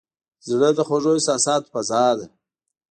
زړه د خوږو احساساتو فضا ده.